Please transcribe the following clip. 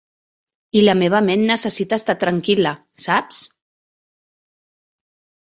I la meva ment necessita estar tranquil·la, saps!